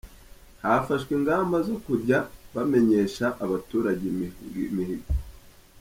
Hafashwe ingamba zo kujya bamenyesha abaturage imihigo.